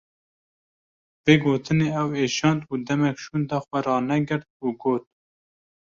Vê gotinê ew êşand û demek şûnda xwe ranegirt û got: